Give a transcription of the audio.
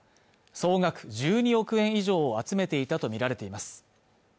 総額１２億円以上を集めていたとみられています